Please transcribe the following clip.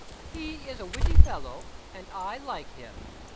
He is a witty fellow and I like him!